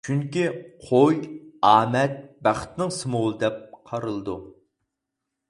چۈنكى قوي ئامەت، بەختنىڭ سىمۋولى دەپ قارىلىدۇ.